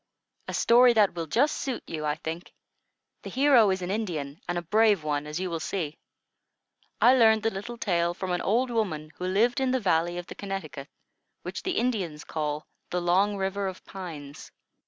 "A story that will just suit you, I think. The hero is an Indian, and a brave one, as you will see. I learned the little tale from an old woman who lived in the valley of the Connecticut, which the Indians called the Long River of Pines."